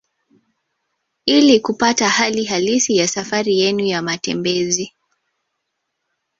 Ili kupata hali halisi ya safari yenu ya matembezi